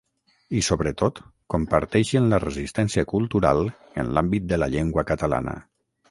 I sobretot, comparteixen la resistència cultural en l'àmbit de la llengua catalana.